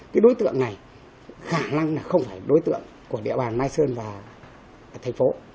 cái đối tượng này khả năng là không phải đối tượng của địa bàn mai sơn và thành phố